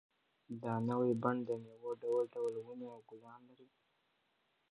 دا نوی بڼ د مېوو ډول ډول ونې او ګلان لري.